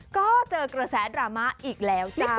ก็เจอกระแสดราม่าอีกแล้วจ้ะ